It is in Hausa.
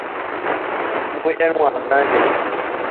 Mu ƴan wasa ne.